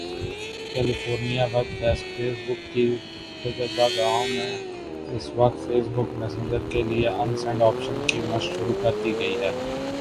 California web desk Facebook کی تجربہ گاہوں میں اس وقت فیس بک میسنجر کے لیے ان سینڈ آپشن کی مشق شروع کردی گئی ہے